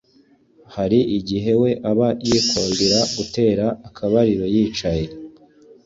hari igihe we aba yikundira gutera akabariro yicaye